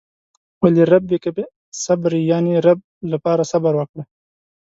ولربک فاصبر يانې رب لپاره صبر وکړه.